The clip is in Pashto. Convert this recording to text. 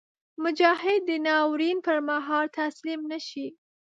مجاهد د ناورین پر مهال تسلیم نهشي.